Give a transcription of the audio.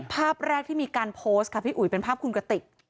ภาพแรกที่มีการโพสต์ค่ะพี่อุ๋ยเป็นภาพคุณกติก